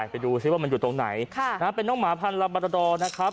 ไปไปดูซิว่ามันอยู่ตรงไหนค่ะนะฮะเป็นน้องหมาพันธ์ลาบราดอนะครับ